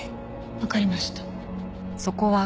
わかりました。